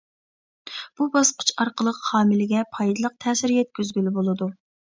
بۇ باسقۇچ ئارقىلىق ھامىلىگە پايدىلىق تەسىر يەتكۈزگىلى بولىدۇ.